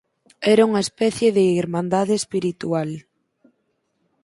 Era unha especie de irmandade espiritual".